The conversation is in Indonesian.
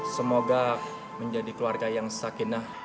semoga menjadi keluarga yang sakinah